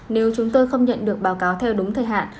nếu chúng tôi không nhận được báo cáo theo đúng thời hạn